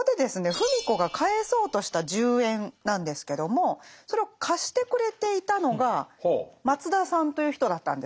芙美子が返そうとした十円なんですけどもそれを貸してくれていたのが松田さんという人だったんですね。